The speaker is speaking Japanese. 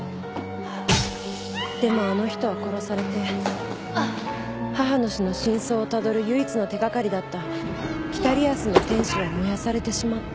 でもあの人は殺されて母の死の真相をたどる唯一の手がかりだった『北リアスの天使』は燃やされてしまった。